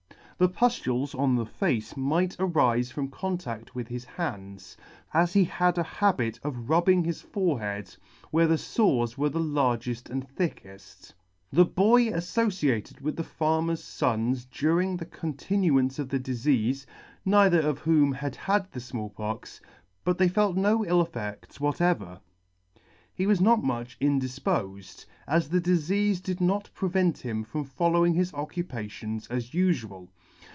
The pudules on the face might arife from contadt with his hands, as he had a habit of rubbing his forehead, where the fores were the larked and thicked. O " The boy adociated with the farmer's fons during the con tinuance of the difeafe, neither of whom had had the Small Pox, but they felt no ill effedts whatever. He was not much indif pofed, as the difeafe did not prevent him from following his occupations as ufual.